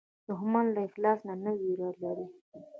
دښمن له اخلاص نه وېره لري